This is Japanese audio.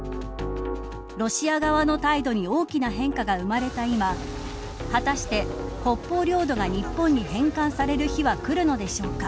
ロシア側の態度に大きな変化が生まれた今果たして、北方領土が日本に返還される日はくるのでしょうか。